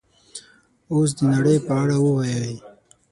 اوس د نړۍ په اړه ووایئ